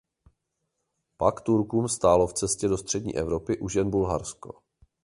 Pak Turkům stálo v cestě do střední Evropy už jen Bulharsko.